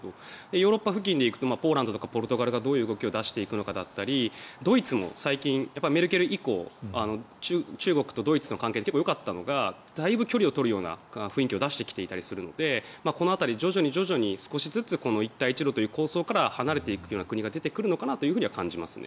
ヨーロッパ付近でいうとポルトガルとかポーランドがどういう動きを出していくのかだったりドイツも最近メルケル以降、中国とドイツの関係って結構よかったのがだいぶ距離を取るような雰囲気を出してきたりするのでこの辺り徐々に少しずつ一帯一路という構想から離れていく国が出てくるのかなと感じます。